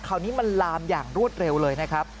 คราวนี้มันลามอย่างรวดเร็วเลยนะครับ